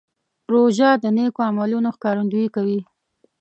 روژه د نیکو عملونو ښکارندویي کوي.